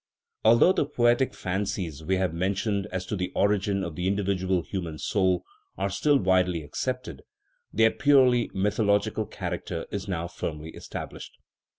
Although the poetic fancies we have mentioned as to the origin of the individual human soul are still wide ly accepted, their purely mythological character is now firmly established.